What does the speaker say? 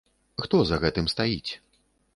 Хто за гэтым стаіць?